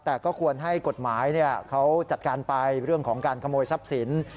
แต่ก็ควรให้กฎหมายเขาจัดการไปเรื่องของการขโมยทรัพย์สิน